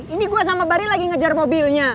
ini gue sama bari lagi ngejar mobilnya